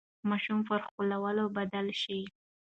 ماشوم پر ښکلولو بدل شي.